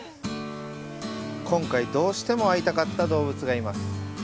今回、どうしても会いたかった動物がいます。